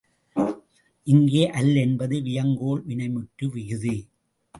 இங்கே அல் என்பது வியங்கோள் வினைமுற்று விகுதி.